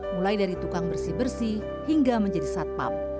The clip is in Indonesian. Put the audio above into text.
mulai dari tukang bersih bersih hingga menjadi satpam